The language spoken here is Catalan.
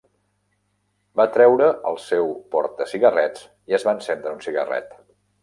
Va treure el seu portacigarrets i es va encendre un cigarret.